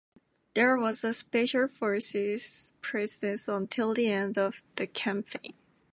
There was a special forces presence until the end of the campaign.